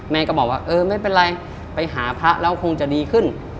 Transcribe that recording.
ก็บอกว่าเออไม่เป็นไรไปหาพระแล้วคงจะดีขึ้น